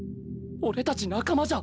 俺たち仲間じゃ。